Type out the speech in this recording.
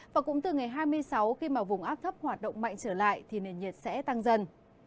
và cũng từ ngày hai mươi sáu khi mà vùng áp thấp hoạt động mạnh trở lại thì nền nhiệt sẽ tăng dần